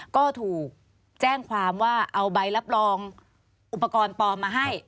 ก็ถูกแจ้งความว่าเอาใบรับรองอุปกรณ์ปลอมมาให้